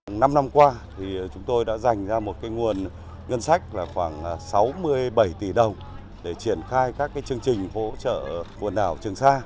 năm năm qua thì chúng tôi đã dành ra một nguồn ngân sách là khoảng sáu mươi bảy tỷ đồng để triển khai các chương trình hỗ trợ quần đảo trường sa